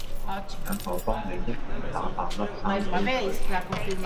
等我幫你一拳打爆粒生痱佢